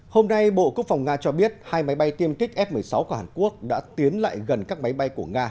hôm nay bộ quốc phòng nga cho biết hai máy bay tiêm kích f một mươi sáu của hàn quốc đã tiến lại gần các máy bay của nga